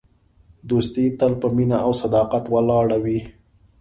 دوستي تل په مینه او صداقت ولاړه وي.